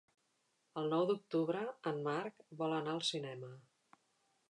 El nou d'octubre en Marc vol anar al cinema.